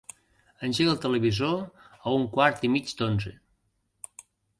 Engega el televisor a un quart i mig d'onze.